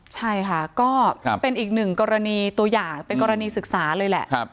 ใช่ค่ะก็เป็นอีกหนึ่งกรณีตัวอย่างเป็นกรณีศึกษาเลยแหละ